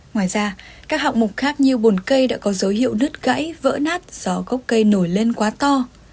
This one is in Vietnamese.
ngoài ra các hạng mục khác như bồn cây đã có dấu hiệu đứt gãy vỡ nát do gốc cây nổi lên quá to